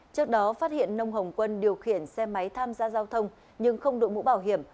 trước đó phát hiện nông hồng quân điều khiển xe máy tham gia giao thông nhưng không đội mũ bảo hiểm